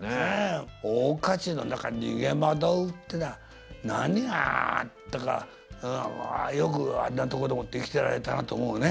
大火事の中逃げ惑うってのは何があったかよくあんなとこでもって生きてられたなと思うね。